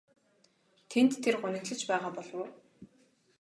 Тэнд тэр гуниглаж байгаа болов уу?